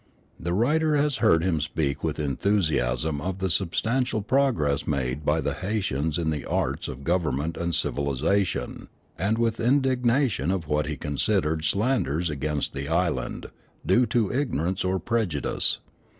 The writer has heard him speak with enthusiasm of the substantial progress made by the Haytians in the arts of government and civilization, and with indignation of what he considered slanders against the island, due to ignorance or prejudice.